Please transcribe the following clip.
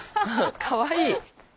かわいい。